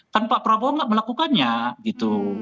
kan pak prabowo nggak melakukannya gitu